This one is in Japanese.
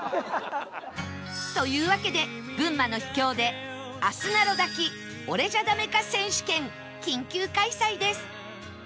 というわけで群馬の秘境であすなろ抱き俺じゃダメか選手権緊急開催です